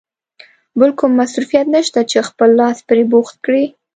بل کوم مصروفیت نشته چې خپل لاس پرې بوخت کړې.